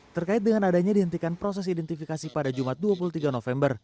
terkait dengan adanya dihentikan proses identifikasi pada jumat dua puluh tiga november